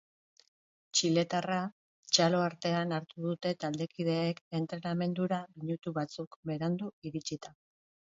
Txiletarra txalo artean hartu dute taldekideek entrenamendura minutu batzuk berandu iritsita.